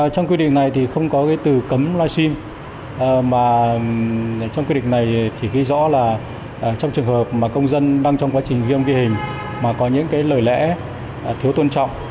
trong quy định này thì không có cái từ cấm live stream mà trong quy định này thì ghi rõ là trong trường hợp mà công dân đang trong quá trình ghi âm ghi hình mà có những cái lời lẽ thiếu tôn trọng